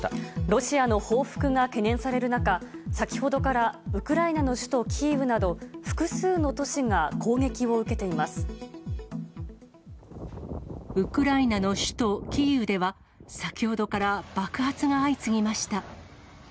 ロシアの報復が懸念される中、先ほどからウクライナの首都キーウなど、ウクライナの首都キーウでは、先ほどから爆発が相次ぎました。